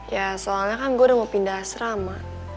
ya soalnya kan gue udah mau pindah asrama